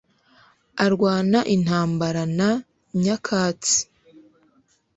arwana intambara na nyakatsi